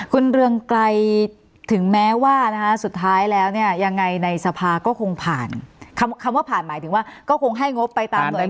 คุณเรืองไกรถึงแม้ว่าสุดท้ายแล้วเนี่ยยังไงในสภาก็คงผ่านคำว่าผ่านหมายถึงว่าก็คงให้งบไปตามเหมือน